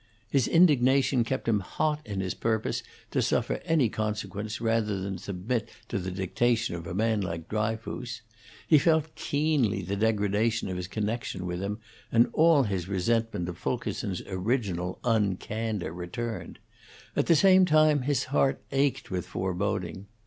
His indignation kept him hot in his purpose to suffer any consequence rather than submit to the dictation of a man like Dryfoos; he felt keenly the degradation of his connection with him, and all his resentment of Fulkerson's original uncandor returned; at the same time his heart ached with foreboding.